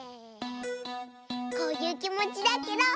こういうきもちだケロ！